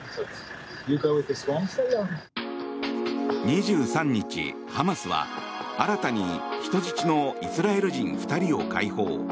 ２３日、ハマスは新たに人質のイスラエル人２人を解放。